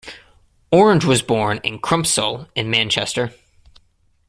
Orange was born in Crumpsall in Manchester.